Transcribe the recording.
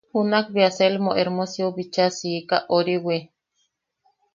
Junak bea Selmo Hermosiou bicha siika oriwi.